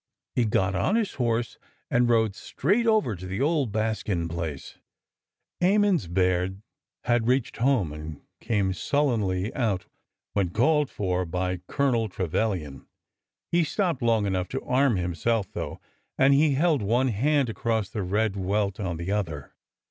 He got on his horse and rode straight over to the old Baskin place. Emmons Baird had reached home and came sullenly out when called for by Colonel Trevilian. He stopped long enough to arm himself, though, and he held one hand across the red welt on the other.